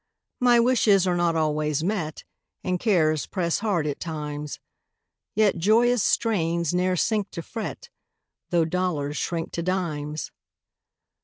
My wishes are not always met, And cares press hard at times; Yet joyous strains ne'er sink to fret, Tho' dollars shrink to dimes.